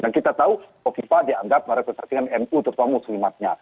dan kita tahu pokipa dianggap merekrutasi dengan mu terutama muslimatnya